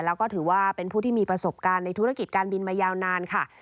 แล้วก็ถือว่าเป็นผู้ที่มีประสบการณ์ในธุรกิจการบินมายาวนานค่ะ